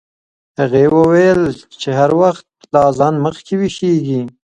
هغې وویل چې هر وخت له اذان مخکې ویښیږي.